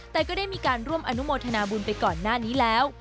แต่ก็ได้มีการร่วมอนุโมทนาบุญไปก่อนหน้านี้แล้ว